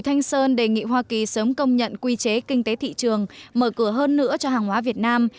thanh sơn cho biết hoa kỳ sớm công nhận quy chế kinh tế thị trường mở cửa hơn nữa cho hàng hóa việt nam